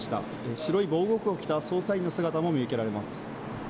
白い防護服を着た捜査員の姿も見受けられます。